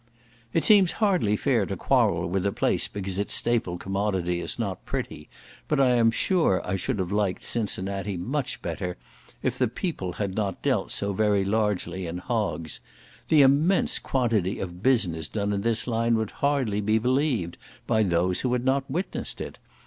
It seems hardly fair to quarrel with a place because its staple commodity is not pretty, but I am sure I should have liked Cincinnati much better if the people had not dealt so very largely in hogs. The immense quantity of business done in this line would hardly be believed by those who had not witnessed it.